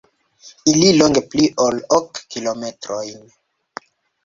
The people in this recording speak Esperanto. Ili longas pli ol ok kilometrojn.